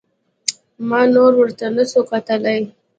ما نور ورته نسو کتلاى.